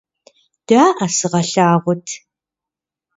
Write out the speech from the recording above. Даӏэ, сыгъэлъагъут!